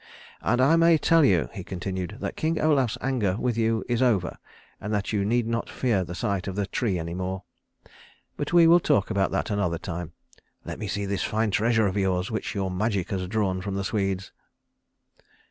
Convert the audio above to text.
"And I may tell you," he continued, "that King Olaf's anger with you is over, and that you need not fear the sight of a tree any more. But we will talk about that another time. Let me see this fine treasure of yours which your magic has drawn from the Swedes."